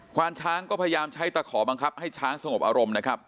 ความช้างก็พยายามใช้ตะขอบังคับให้ช้างสงบอารมณ์นะครับ